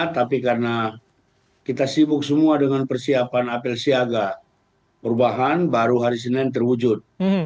tapi karena kita sibuk semua dengan persiapan apel siaga perubahan baru hari senin terwujud